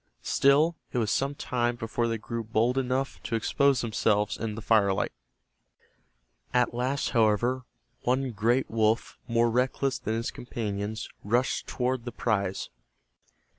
Still, it was some time before they grew hold enough to expose themselves in the firelight. At last, however, one great wolf more reckless than its companions rushed toward the prize.